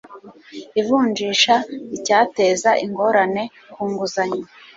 ivunjisha icyateza ingorane ku nguzanyo